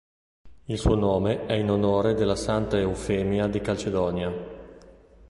Il suo nome è in onore della santa Eufemia di Calcedonia.